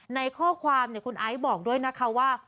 ในข้อความคุณไอซ์บอกด้วยนะคะว่า